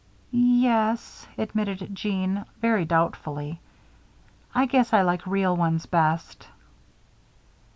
"Ye es," admitted Jeanne, very doubtfully. "I guess I like real ones best."